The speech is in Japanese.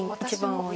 多い。